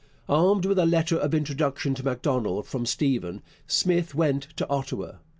Armed with a letter of introduction to Macdonald from Stephen, Smith went to Ottawa.